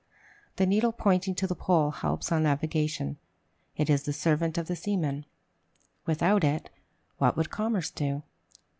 The needle pointing to the pole helps on navigation; it is the servant of the seamen: without it, what would commerce do?